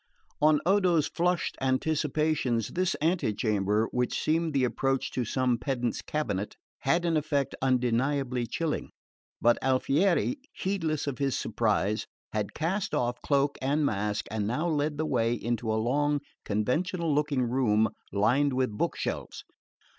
On Odo's flushed anticipations this antechamber, which seemed the approach to some pedant's cabinet, had an effect undeniably chilling; but Alfieri, heedless of his surprise, had cast off cloak and mask, and now led the way into a long conventual looking room lined with book shelves.